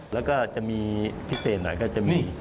แล้วก็จะมีพิเศษหน่อยก็จะมี